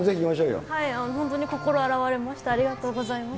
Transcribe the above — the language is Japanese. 本当に心洗われました、ありがとうございます。